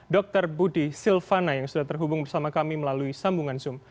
dr budi silvana yang sudah terhubung bersama kami melalui sambungan zoom